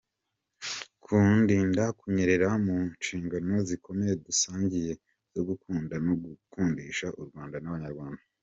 Kundinda kunyerera mu nshingano zikomeye dusangiye, zo gukunda no gukundisha u Rwanda n’Abanyarwanda.